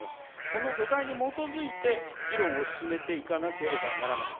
この土台に基づいて、議論を進めていかなければならない。